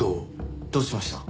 どうしました？